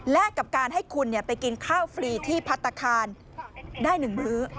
และกับการให้คุณไปกินข้าวฟรีที่พัฒนาคารได้๑มื้อ